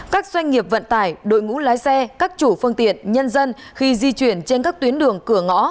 các doanh nghiệp vận tải đội ngũ lái xe các chủ phương tiện nhân dân khi di chuyển trên các tuyến đường cửa ngõ